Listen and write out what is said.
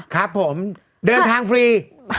ครับผมเดินทางฟรี